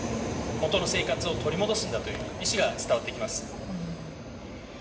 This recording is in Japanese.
元の生活を取り戻すんだという意思が伝わってきます。